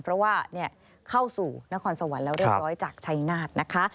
เพราะว่าเข้าสู่นครสวรรค์แล้วเรียบร้อยจากชัยนาธนะคะ